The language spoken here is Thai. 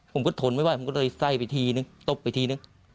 ผมก็ทนไม่ไหวผมก็เลยไส้ไปทีนึงตบไปทีนึง